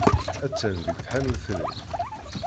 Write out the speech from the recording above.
Attan deg tḥanut-nni.